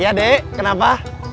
iya dek kenapa